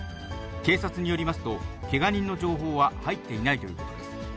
警察によりますと、けが人の情報は入っていないということです。